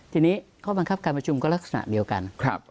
ทีนี้ข้อบังคับการประชุมก็ลักษณะเดียวกัน